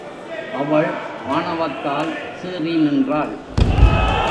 அவள் ஆணவத்தால் சீறி நின்றாள்.